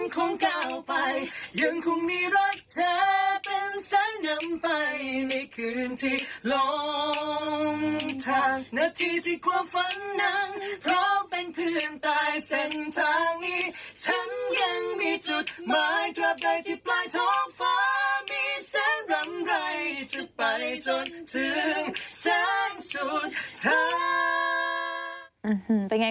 ใครจะไปจนถึงชั้นสุดท้าย